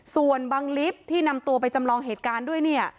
ส่วนบังลิฟต์ที่นำตัวไปจำลองเหตุการณ์ด้วยเนี่ย